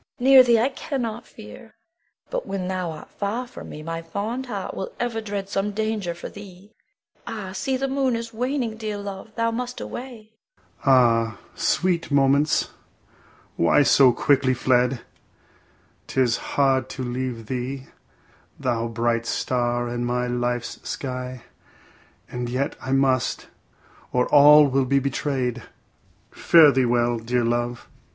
Bianca. Near thee I cannot fear; but when thou art far from me, my fond heart will ever dread some danger for thee. Ah, see the moon is waning; dear love, thou must away. Adel. Ah, sweet moments, why so quickly fled? 'Tis hard to leave thee, thou bright star in my life's sky, and yet I must, or all may be betrayed. Fare thee well, dear love.